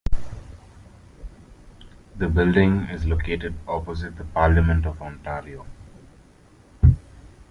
The building is located opposite the Parliament of Ontario.